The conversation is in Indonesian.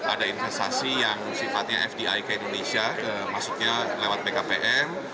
ada investasi yang sifatnya fdi ke indonesia maksudnya lewat bkpm